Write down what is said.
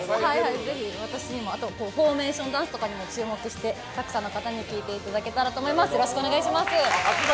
ぜひ私にもフォーメーションダンスにも注目して、たくさんの方に聴いていただけたらと思います。